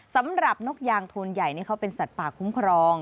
นกยางโทนใหญ่นี่เขาเป็นสัตว์ป่าคุ้มครอง